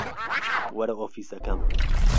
وەرە ئۆفیسەکەم.